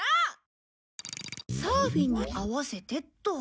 サーフィンに合わせてと。